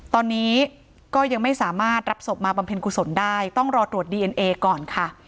ตอนนี้ก็ยังไม่สามารถรับศพมาบำเพ็ญกุศลได้ต้องรอตรวจดีเอ็นเอก่อนค่ะ